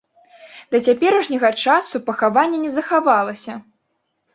Да цяперашняга часу пахаванне не захавалася.